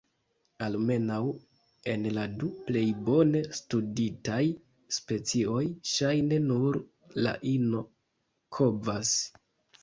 Almenaŭ en la du plej bone studitaj specioj, ŝajne nur la ino kovas.